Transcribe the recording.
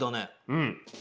うん。